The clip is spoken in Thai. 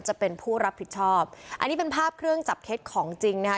จะเป็นผู้รับผิดชอบอันนี้เป็นภาพเครื่องจับเท็จของจริงนะคะ